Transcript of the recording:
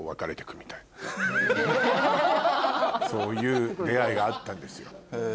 そういう出会いがあったんですよ。